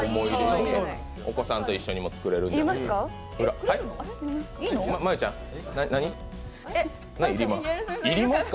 お子さんと一緒にも作れますし。